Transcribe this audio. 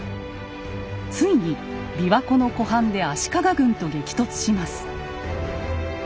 ついに琵琶湖の湖畔で足利軍と激突します。